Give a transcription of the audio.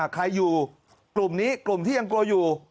ใครอยู่กลุ่มที่ยังกลัวอยู่